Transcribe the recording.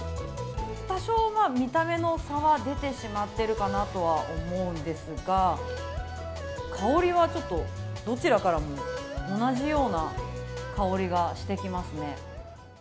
多少、見た目の差は出てしまっているかなとは思うんですが香りはどちらからも同じような香りがしてきますね。